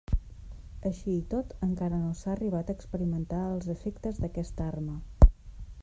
Així i tot encara no s'ha arribat a experimentar els efectes d'aquesta arma.